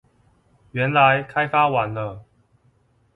原來開發完了